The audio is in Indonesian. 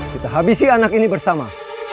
kita habisi anak ini bersama